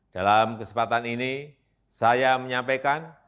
dalam kesempatan ini saya menyampaikan